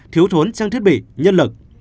thiếu thốn trang thiết bị nhân lực